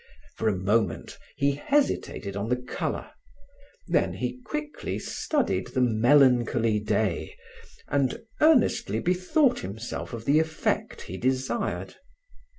For a moment he hesitated on the color; then he quickly studied the melancholy day and earnestly bethought himself of the effect he desired.